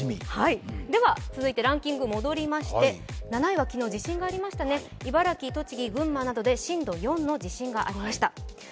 続いてランキング戻りまして７位は昨日、地震がありましたね、茨城、栃木、群馬などで震度４の地震がありました。